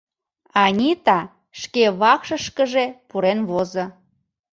Анита шке вакшышкыже пурен возо.